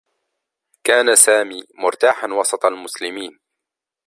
كان سامي مرتاحا وسط المسلمين.